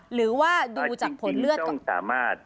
หรือว่าดูจากผลเลือดก่อนจริงต้องสามารถ